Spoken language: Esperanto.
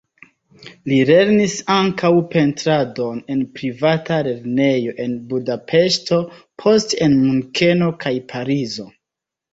Li lernis ankaŭ pentradon en privata lernejo en Budapeŝto, poste en Munkeno kaj Parizo.